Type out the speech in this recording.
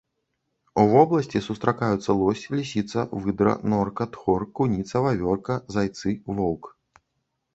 У вобласці сустракаюцца лось, лісіца, выдра, норка, тхор, куніца, вавёрка, зайцы, воўк.